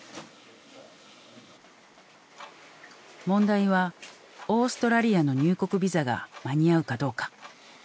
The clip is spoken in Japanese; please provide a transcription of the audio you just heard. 問題はオーストラリアの入国ビザが間に合うかどうか。